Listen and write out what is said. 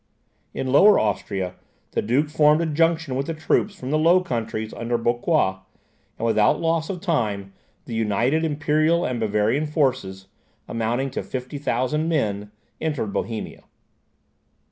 In Lower Austria, the duke formed a junction with the troops from the Low Countries under Bucquoi, and without loss of time the united Imperial and Bavarian forces, amounting to 50,000 men, entered Bohemia.